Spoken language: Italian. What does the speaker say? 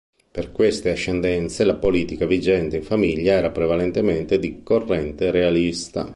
Per queste ascendenze, la politica vigente in famiglia era prevalentemente di corrente realista.